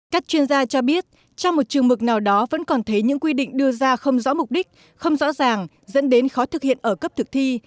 các chuyên gia cho biết trong một trường mực nào đó vẫn còn thấy những quy định đưa ra không rõ mục đích không rõ ràng dẫn đến khó thực hiện ở cấp thực thi